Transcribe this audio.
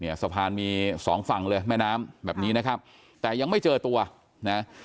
สะพานมีสองฝั่งเลยแม่น้ำแบบนี้นะครับแต่ยังไม่เจอตัวนะ